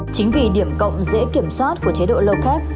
chính vì điểm cộng dễ kiểm soát của chế độ low carb